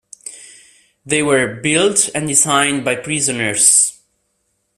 They were built and designed by prisoners.